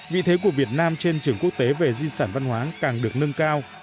vị thế của việt nam trên trường quốc tế về di sản văn hóa càng được nâng cao